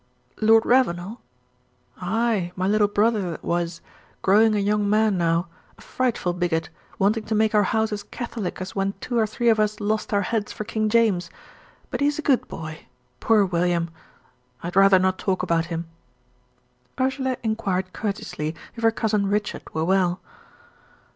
"Lord Ravenel?" "Ay, my little brother that was growing a young man now a frightful bigot, wanting to make our house as Catholic as when two or three of us lost our heads for King James. But he is a good boy poor William! I had rather not talk about him." Ursula inquired courteously if her Cousin Richard were well.